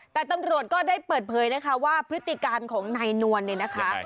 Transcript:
แต่ตำรวจก็ได้เปิดเผยนะคะว่าพฤติการของนายนวลเนี่ยนะคะ